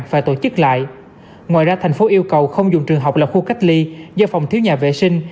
và tổ chức lại ngoài ra tp hcm yêu cầu không dùng trường học làm khu cách ly do phòng thiếu nhà vệ sinh